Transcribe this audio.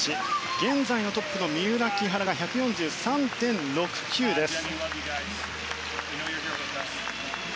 現在のトップの三浦、木原が１４３．６９です。